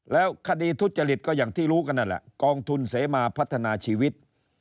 แล้วคดีทุจริตก็อย่างที่รู้กันนั่นแหละกองทุนเสมาพัฒนาชีวิต